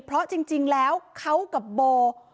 เพราะจริงแล้วเขากับโบ